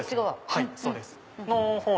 はいそうです。